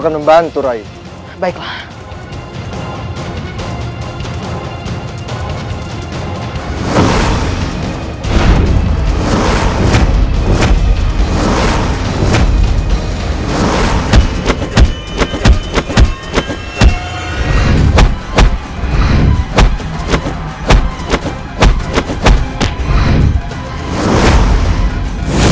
jangan sampai kau bisa agak compot